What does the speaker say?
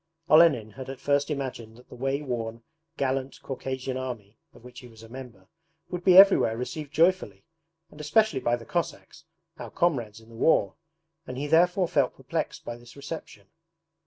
Olenin had at first imagined that the way worn, gallant Caucasian Army (of which he was a member) would be everywhere received joyfully, and especially by the Cossacks, our comrades in the war; and he therefore felt perplexed by this reception.